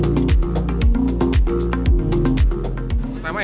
menjelangkan kemampuan pilihan makanan